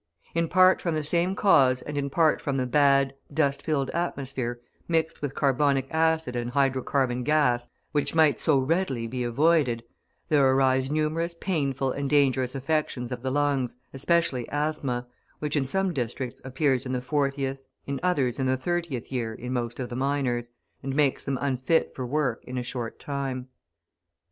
In part from the same cause and in part from the bad, dust filled atmosphere mixed with carbonic acid and hydrocarbon gas, which might so readily be avoided, there arise numerous painful and dangerous affections of the lungs, especially asthma, which in some districts appears in the fortieth, in others in the thirtieth year in most of the miners, and makes them unfit for work in a short time.